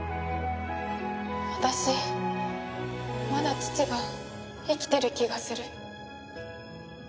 私まだ父が生きてる気がする。